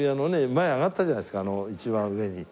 前上がったじゃないですかあの一番上に。